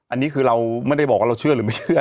อันนี้คือเราไม่ได้บอกว่าเราเชื่อหรือไม่เชื่อ